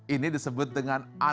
ini disebut dengan uncertainty